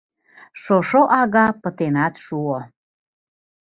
Шошо ага пытенат шуо.